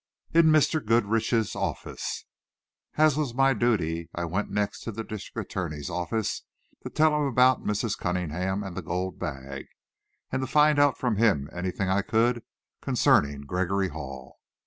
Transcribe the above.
IN Mr. GOODRICH'S OFFICE As was my duty I went next to the district attorney's office to tell him about Mrs. Cunningham and the gold bag, and to find out from him anything I could concerning Gregory Hall.